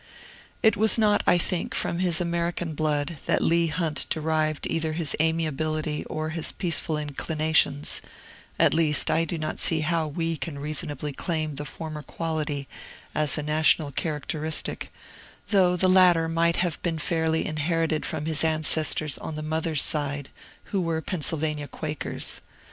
It was not, I think, from his American blood that Leigh Hunt derived either his amiability or his peaceful inclinations; at least, I do not see how we can reasonably claim the former quality as a national characteristic, though the latter might have been fairly inherited from his ancestors on the mother's side, who were Pennsylvania Quakers.